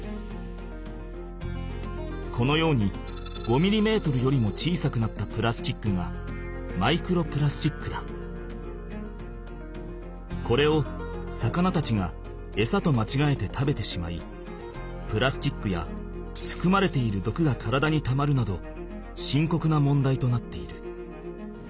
このように５ミリメートルよりも小さくなったプラスチックがこれを魚たちがエサとまちがえて食べてしまいプラスチックやふくまれているどくが体にたまるなどしんこくな問題となっている。